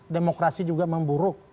demokrasi juga memburuk